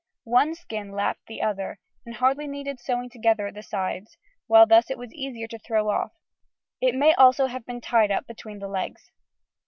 One skin lapped the other, and hardly needed sewing together at the sides, while thus it was easier to throw off; it may also have been tied up between the legs.